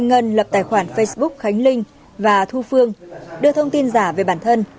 ngân lập tài khoản facebook khánh linh và thu phương đưa thông tin giả về bản thân